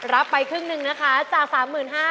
ไปครึ่งหนึ่งนะคะจาก๓๕๐๐บาท